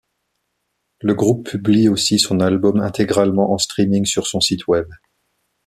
Le groupe publie aussi son album intégralement en streaming sur son site web.